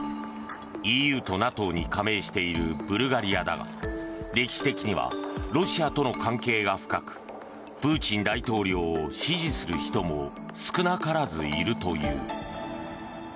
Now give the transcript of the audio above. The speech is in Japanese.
ＥＵとＮＡＴＯに加盟しているブルガリアだが歴史的にはロシアとの関係が深くプーチン大統領を支持する人も少なからずいるという。